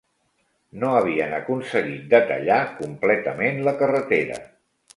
No havien aconseguit de tallar completament la carretera